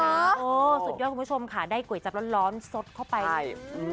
สุดยอดคุณผู้ชมค่ะได้ก๋วยจับร้อนสดเข้าไปใช่